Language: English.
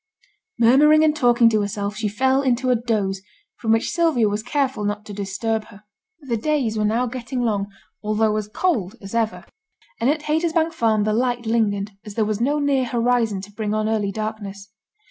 Murmuring and talking to herself, she fell into a doze, from which Sylvia was careful not to disturb her. The days were now getting long, although as cold as ever; and at Haytersbank Farm the light lingered, as there was no near horizon to bring on early darkness.